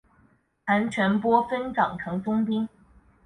谭全播分掌城中兵。